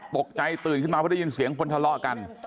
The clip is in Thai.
ตื่นขึ้นมาเพราะได้ยินเสียงคนทะเลาะกัน